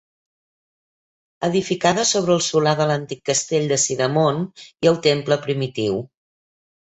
Edificada sobre el solar de l'antic castell de Sidamon i el temple primitiu.